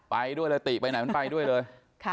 ไปด้วยเลยติไปไหนมันไปด้วยเลย